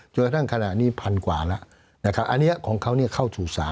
จนกระทั่งขนาดนี้พันกว่าละนะครับอันนี้ของเขาเนี่ยเข้าสู่๓ละ